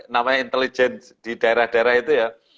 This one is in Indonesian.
namanya intelijen di daerah daerah itu ya